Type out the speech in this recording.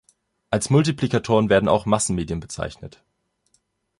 Als Multiplikatoren werden auch Massenmedien bezeichnet.